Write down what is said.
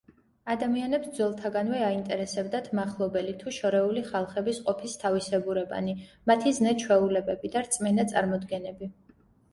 ადამიანებს ძველთაგანვე აინტერესებდათ მახლობელი თუ შორეული ხალხების ყოფის თავისებურებანი, მათი ზნე-ჩვეულებები და რწმენა-წარმოდგენები.